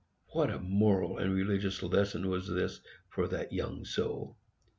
What a moral and religious lesson was this for that young soul!